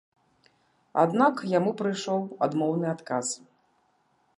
Аднак яму прыйшоў адмоўны адказ.